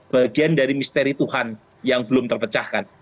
bagian dari misteri tuhan yang belum terpecahkan